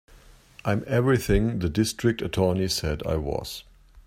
I'm everything the District Attorney said I was.